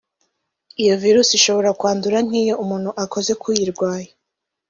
Iyo virusi ishobora kwandura nk’ iyo umuntu akoze k’uyirwaye